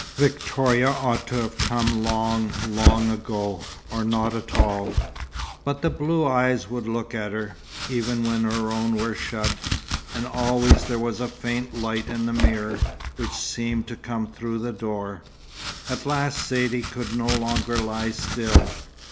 Victoria ought to have come long, long ago, or not at all. But the blue eyes would look at her, even when her own were shut; and always there was the faint light in the mirror, which seemed to come through the door. At last Saidee could not longer lie still.